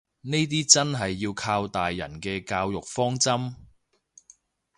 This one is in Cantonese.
呢啲真係要靠大人嘅教育方針